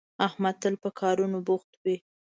احمد تل په کارونو بوخت وي